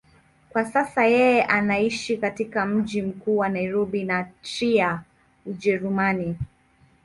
Kwa sasa yeye anaishi katika mji mkuu wa Nairobi na Trier, Ujerumani.